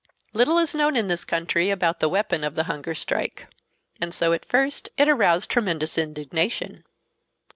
Little is known in this country about the weapon of the hunger strike. And so at first it aroused tremendous indignation.